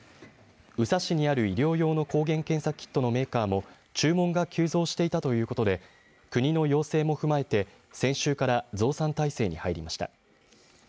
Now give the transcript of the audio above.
宇佐市にある医療用の抗原検査キットのメーカーも注文が急増していたということで国の要請も踏まえて、先週から増産体制に入りました。